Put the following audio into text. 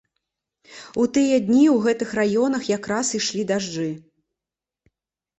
У тыя дні ў гэтых раёнах якраз ішлі дажджы.